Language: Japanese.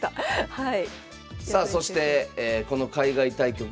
はい。